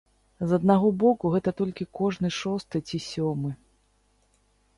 З аднаго боку, гэта толькі кожны шосты ці сёмы.